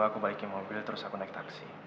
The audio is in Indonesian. aku balikin mobil terus aku naik taksi